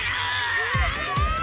うわ！